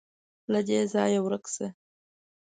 _له دې ځايه ورک شه.